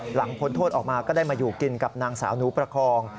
พ้นโทษออกมาก็ได้มาอยู่กินกับนางสาวหนูประคอง